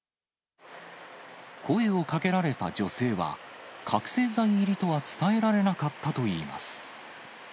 声をかけられた女性は、覚醒剤入りとは伝えられなかったといいます。